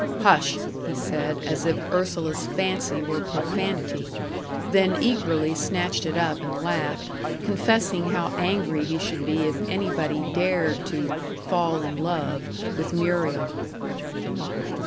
"Hush!" he said, as if Ursula's fancy were profanity; then eagerly snatched it up and laughed, confessing how angry he should be if anybody dared to "fall in love" with Muriel.